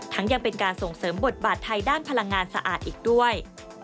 ยังเป็นการส่งเสริมบทบาทไทยด้านพลังงานสะอาดอีกด้วย